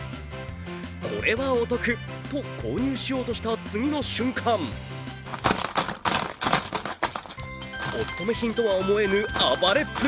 これはお得と購入しようとした次の瞬間おつとめ品とは思えぬ暴れっぷり。